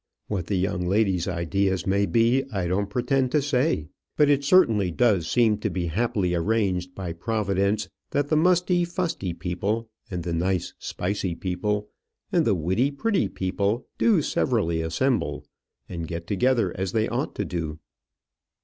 What the young ladies' idea may be I don't pretend to say. But it certainly does seem to be happily arranged by Providence that the musty fusty people, and the nicy spicy people, and the witty pretty people do severally assemble and get together as they ought to do.